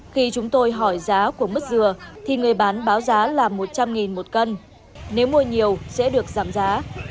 khi chúng tôi hỏi giá của mứt dừa thì người bán báo giá là một trăm linh một cân nếu mua nhiều sẽ được giảm giá